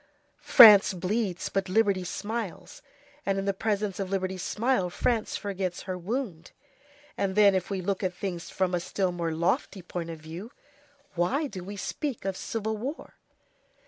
France bleeds, but liberty smiles; and in the presence of liberty's smile, France forgets her wound. And then if we look at things from a still more lofty point of view, why do we speak of civil war?